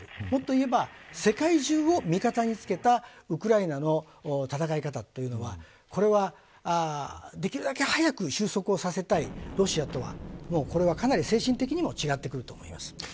もっと言えば世界中を味方につけたウクライナの戦い方というのはこれはできるだけ早く終息させたいロシアとはこれはかなり精神的にも違ってくると思います。